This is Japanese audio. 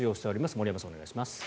森山さん、お願いします。